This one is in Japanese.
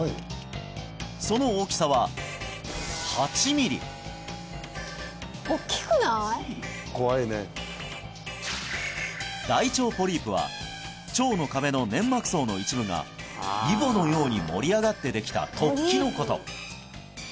その大きさは８ミリ大腸ポリープは腸の壁の粘膜層の一部がイボのように盛り上がってできた突起のこと